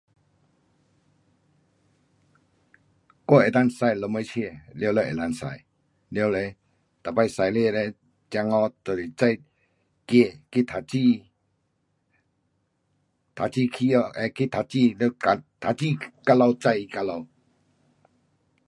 我能够驾什么车，全部能够驾。了咯，每次驾车咯江河就是载儿去读书，读书回家，呃去读书，了嘎读书到家，载他到家。